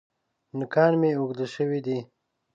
نوکان مي اوږده شوي دي .